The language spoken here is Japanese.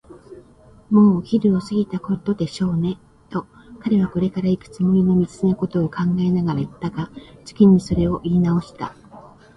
「もうお昼を過ぎたことでしょうね」と、彼はこれからいくつもりの道のことを考えながらいったが、次にそれをいいなおした。